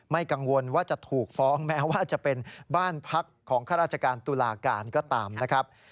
กังวลว่าจะถูกฟ้องแม้ว่าจะเป็นบ้านพักของข้าราชการตุลาการก็ตามนะครับ